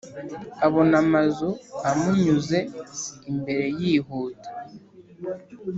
abona amazu amunyuze imbere yihuta;